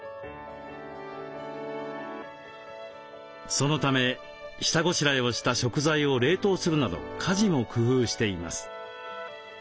そのため下ごしらえをした食材を冷凍するなど家事も工夫しています。